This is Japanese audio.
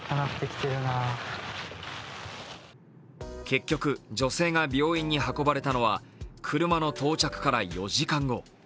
結局、女性が病院に運ばれたのは車の到着から４時間後。